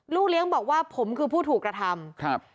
เลี้ยงบอกว่าผมคือผู้ถูกกระทำครับ